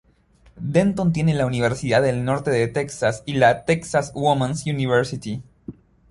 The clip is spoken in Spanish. Denton tiene la Universidad del Norte de Texas y la "Texas Woman's University".